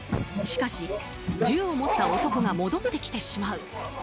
しかし、銃を持った男が戻ってきてしまう。